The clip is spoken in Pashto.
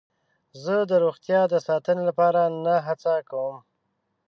زه د روغتیا د ساتنې لپاره نه هڅه کوم.